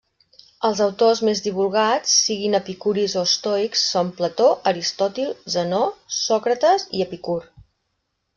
Els autors més divulgats, siguin epicuris o estoics, són Plató, Aristòtil, Zenó, Sòcrates i Epicur.